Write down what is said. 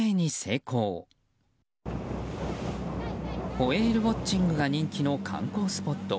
ホエールウォッチングが人気の観光スポット